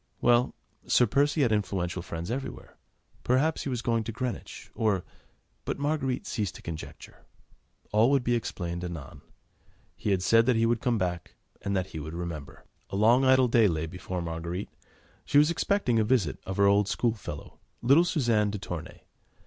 Well! Sir Percy had influential friends everywhere. Perhaps he was going to Greenwich, or ... but Marguerite ceased to conjecture; all would be explained anon: he said that he would come back, and that he would remember. A long, idle day lay before Marguerite. She was expecting the visit of her old school fellow, little Suzanne de Tournay.